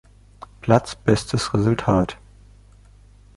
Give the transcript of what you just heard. Platz bestes Resultat.